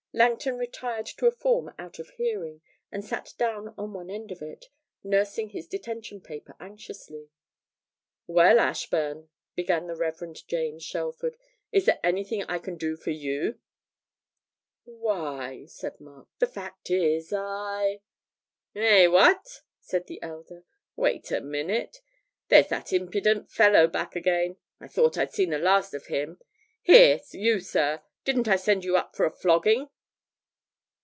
Langton retired to a form out of hearing, and sat down on one end of it, nursing his detention paper anxiously. 'Well, Ashburn,' began the Reverend James Shelford, 'is there anything I can do for you?' 'Why,' said Mark, 'the fact is, I ' 'Eh, what?' said the elder. 'Wait a minute there's that impident fellow back again! I thought I'd seen the last of him. Here, you sir, didn't I send you up for a flogging?'